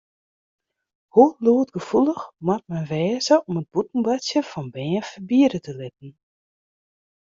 Hoe lûdgefoelich moat men wêze om it bûten boartsjen fan bern ferbiede te litten?